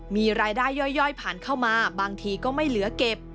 มีรายได้ย่อยผ่านเข้ามาบางทีก็ไม่เหลือเก็บ